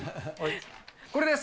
これです。